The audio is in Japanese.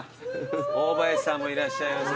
大林さんもいらっしゃいます。